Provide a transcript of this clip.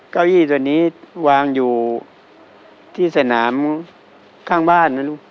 เก้าอี้ตัวนี้วางอยู่ที่สนามข้างบ้านนะลูก